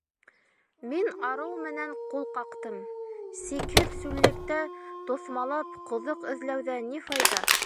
Мин арыу менән ҡул ҡаҡтым: сикһеҙ сүллектә тоҫмалап ҡоҙоҡ эҙләүҙә ни файҙа?